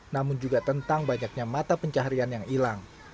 namun juga tentang banyaknya mata pencaharian yang hilang